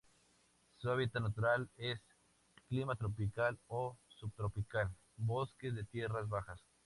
Su hábitat natural es: Clima tropical o subtropical, bosques de tierras bajas.